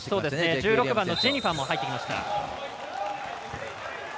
１６番のジェニファーが入ってきました。